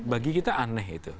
bagi kita aneh itu